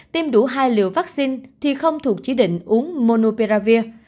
tiêm đủ hai liều vaccine thì không thuộc chỉ định uống monophravir